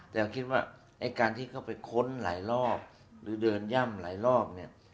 แต่เราคิดว่าไอ้การที่เข้าไปค้นหลายรอบหรือเดินย่ำหลายรอบเนี่ย